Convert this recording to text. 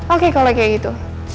oke kalau kayak gitu